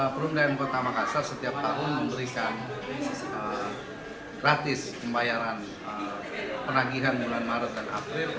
perumda m kota makassar setiap tahun memberikan gratis pembayaran penagihan bulan maret dan april